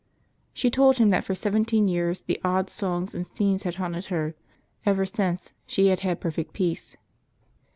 She told him that for seventeen years the old songs and scenes had haunted her; ever since, she had had perfect peace.